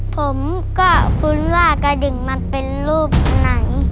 ผมก็คุ้นว่ากระดิ่งมันเป็นรูปไหน